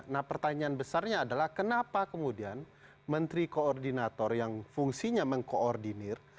nah pertanyaan besarnya adalah kenapa kemudian menteri koordinator yang fungsinya mengkoordinir